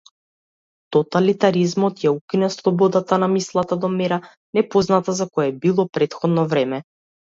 Тоталитаризмот ја укина слободата на мислата до мера непозната за кое било претходно време.